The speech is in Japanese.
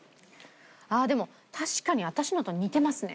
でも確かに私のと似てますね。